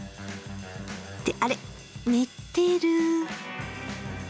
ってあれ寝てる。